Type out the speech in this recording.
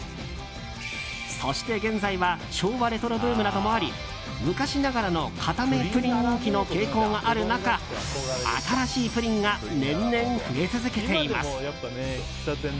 そして現在は昭和レトロブームなどもあり昔ながらのかためプリン人気の傾向がある中新しいプリンが年々増え続けています。